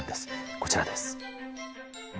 こちらです。